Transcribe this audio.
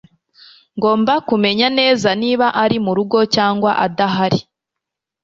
Ngomba kumenya neza niba ari murugo cyangwa adahari.